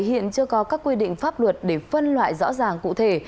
hiện chưa có các quy định pháp luật để phân loại rõ ràng cụ thể